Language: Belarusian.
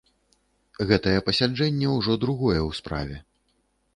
Гэтае пасяджэнне ўжо другое ў справе.